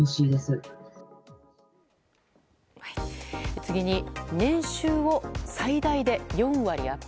次に、年収を最大で４割アップ。